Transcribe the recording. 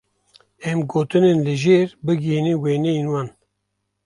Em gotinên li jêr bigihînin wêneyên wan.